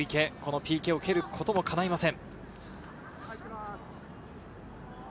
ＰＫを蹴ることもかないません。